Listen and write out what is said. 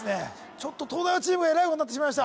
ちょっと東大王チームがえらいことになってしまいました